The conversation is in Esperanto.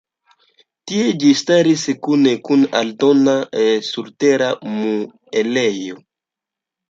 Tie ĝi staris kune kun aldona surtera muelejo.